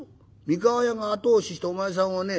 三河屋が後押ししてお前さんをね